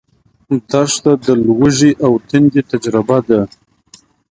دښته د لوږې او تندې تجربه ده.